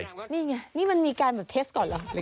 นี่ไงนี่มันมีการแบบเทสก่อนเหรอ